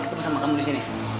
ketemu sama kamu disini